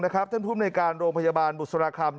ท่านภูมิในการโรงพยาบาลบุษราคำ